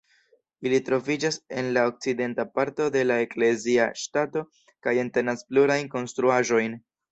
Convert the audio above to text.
Ili troviĝas en la okcidenta parto de la eklezia ŝtato kaj entenas plurajn konstruaĵojn.